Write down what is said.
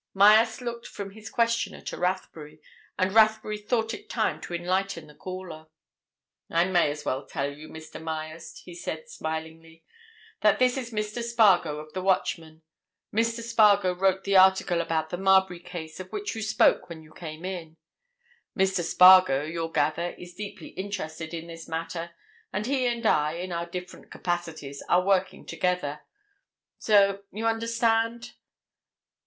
Myerst looked from his questioner to Rathbury. And Rathbury thought it time to enlighten the caller. "I may as well tell you, Mr. Myerst," he said smilingly, "that this is Mr. Spargo, of the Watchman. Mr. Spargo wrote the article about the Marbury case of which you spoke when you came in. Mr. Spargo, you'll gather, is deeply interested in this matter—and he and I, in our different capacities, are working together. So—you understand?"